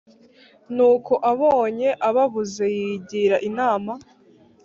nuko abonye ababuze yigira inama